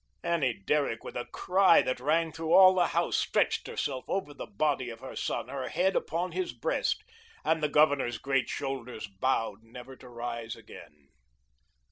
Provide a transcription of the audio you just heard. Annie Derrick, with a cry that rang through all the house, stretched herself over the body of her son, her head upon his breast, and the Governor's great shoulders bowed never to rise again.